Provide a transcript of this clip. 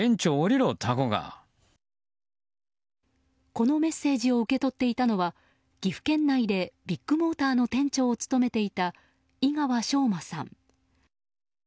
このメッセージを受け取っていたのは岐阜県内でビッグモーターの店長を務めていた井川翔馬さん。